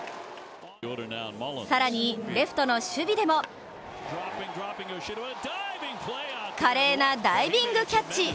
更にレフトの守備でも華麗なダイビングキャッチ。